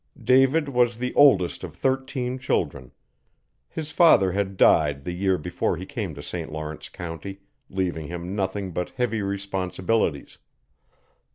David was the oldest of thirteen children. His father had died the year before he came to St Lawrence county, leaving him nothing but heavy responsibilities.